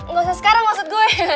nggak usah sekarang maksud gue